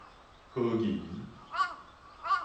和仁